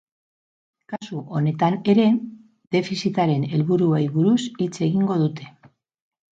Kasu honetan ere, defizitaren helburuei buruz hitz egingo dute.